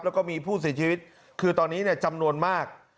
แล้วก็มีผู้เสียชีวิตคือตอนนี้จำนวนมาก